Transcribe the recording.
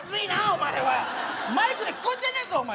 お前はマイクで聞こえてんねんぞ